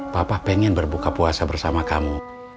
papa pengen berbuka puasa bersama kamu